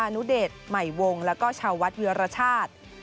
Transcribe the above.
พานุเดชใหม่วงแล้วก็ชาววัฒน์เยื้อรชาติ